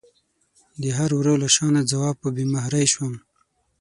د هر وره له شانه ځواب په بې مهرۍ شوم